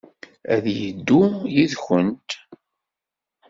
Ad yeddu yid-went.